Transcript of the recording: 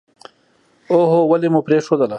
اوهووو ولې مو پرېښودله.